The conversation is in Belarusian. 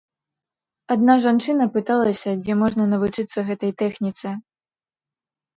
Адна жанчына пыталася, дзе можна навучыцца гэтай тэхніцы.